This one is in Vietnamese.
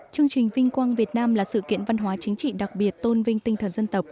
chương trình vinh quang việt nam là sự kiện văn hóa chính trị đặc biệt tôn vinh tinh thần dân tộc